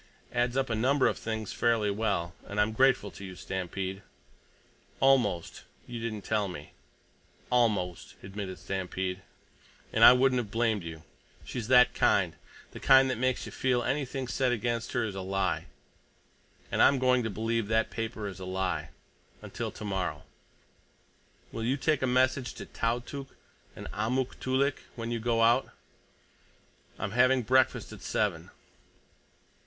Adds up a number of things fairly well. And I'm grateful to you, Stampede. Almost—you didn't tell me." "Almost," admitted Stampede. "And I wouldn't have blamed you. She's that kind—the kind that makes you feel anything said against her is a lie. And I'm going to believe that paper is a lie—until tomorrow. Will you take a message to Tautuk and Amuk Toolik when you go out? I'm having breakfast at seven.